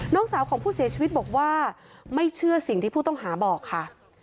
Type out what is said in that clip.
น้องสาวของผู้เสียชีวิตบอกว่าไม่เชื่อสิ่งที่ผู้ต้องหาบอกค่ะ